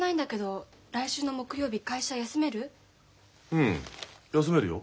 うん休めるよ。